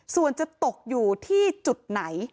ส่วนจะตกอยู่ที่จุดไหน